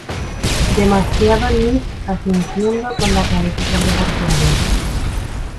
Demasiado nid-asintiendo con la cabeza sobre portuario.